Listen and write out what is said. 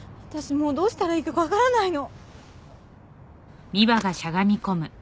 もうどうしたらいいか分からないの！